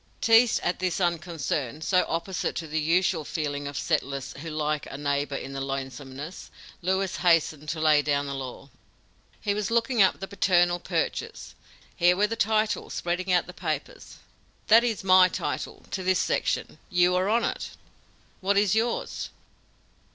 Teased at this unconcern, so opposite to the usual feeling of settlers who like a neighbor in the lonesomeness, Lewis hastened to lay down the law: "'He was looking up the paternal purchase. Here were the titles,' spreading out the papers. 'That is my title to this section. You are on it. What is yours?'